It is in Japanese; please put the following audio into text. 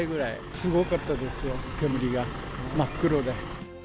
すごかったですよ、煙が真っ黒で。